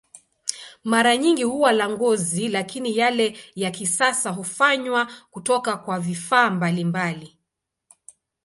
Mara nyingi huwa la ngozi, lakini yale ya kisasa hufanywa kutoka kwa vifaa mbalimbali.